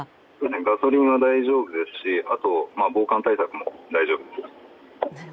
ガソリンは大丈夫ですし防寒対策も大丈夫です。